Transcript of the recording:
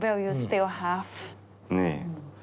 แล้วเธอยังมีความรู้สึกเหมือนกันหรือเปล่า